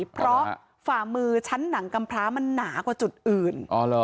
เพราะฝ่ามือชั้นหนังกำพร้ามันหนากว่าจุดอื่น